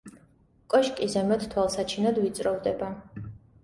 კოშკი ზემოთ თვალსაჩინოდ ვიწროვდება.